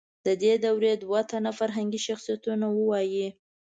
د دې دورې دوه تنه فرهنګي شخصیتونه ووایئ.